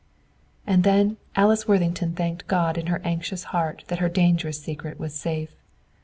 And then Alice Worthington thanked God in her anxious heart that her dangerous secret was safe.